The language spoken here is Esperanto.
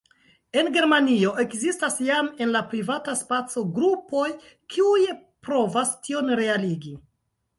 En Germanio ekzistas jam en la privata spaco grupoj, kiuj provas tion realigi.